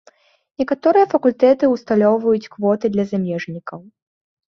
Некаторыя факультэты усталёўваюць квоты для замежнікаў.